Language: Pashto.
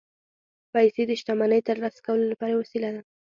پیسې د شتمنۍ ترلاسه کولو لپاره یوه وسیله ده